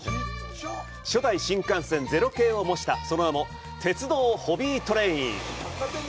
初代新幹線０系を模したその名も「鉄道ホビートレイン」。